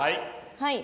はい。